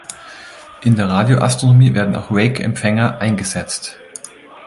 In der Radioastronomie werden auch Rake-Empfänger eingesetzt.